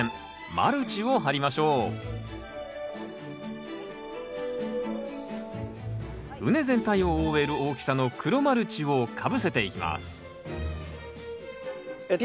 マルチを張りましょう畝全体を覆える大きさの黒マルチをかぶせていきますピンと。